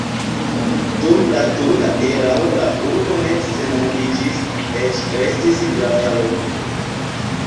Dum la turka erao la urbo ne senhomiĝis, eĉ restis grava loko.